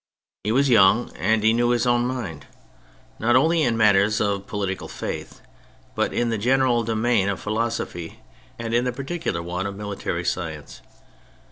He was young, and he knew his own mind not only in matters of political faith but in the general domain of philosophy, and in the particular one of military science.